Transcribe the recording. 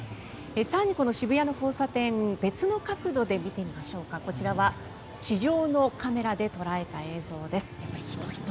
更にこちらの渋谷の交差点別の角度で見てみましょうかこちらは地上のカメラで捉えた映像です。